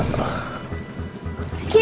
lo ngapain di sini